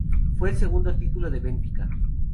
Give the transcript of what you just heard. Fue el segundo título de Benfica.